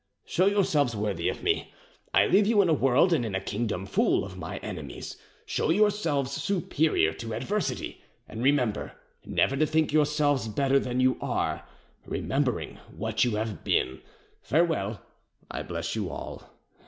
"Show yourselves worthy of me; I leave you in a world and in a kingdom full of my enemies. Show yourselves superior to adversity, and remember never to think yourselves better than you are, remembering what you have been. "Farewell. I bless you all.